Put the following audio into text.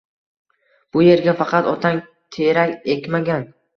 Bu yerga faqat otang terak ekmagan.